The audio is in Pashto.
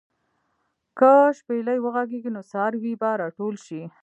که شپېلۍ وغږېږي، نو څاروي به راټول شي.